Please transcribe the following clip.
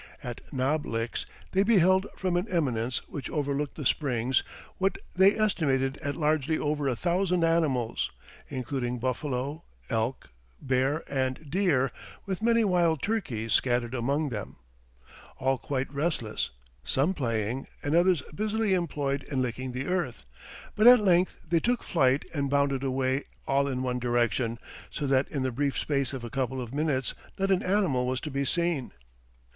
At Knob Licks they beheld from an eminence which overlooked the springs "what they estimated at largely over a thousand animals, including buffaloe, elk, bear, and deer, with many wild turkies scattered among them all quite restless, some playing, and others busily employed in licking the earth; but at length they took flight and bounded away all in one direction, so that in the brief space of a couple of minutes not an animal was to be seen."